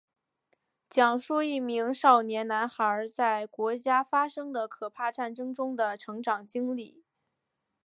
讲述一名少年男孩在国家发生的可怕战争中的成长经历。